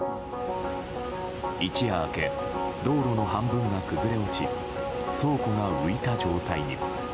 一夜明け、道路の半分が崩れ落ち倉庫が浮いた状態に。